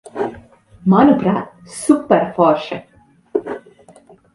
Manuprāt, superforši.